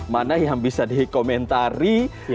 mana yang bisa dikomentari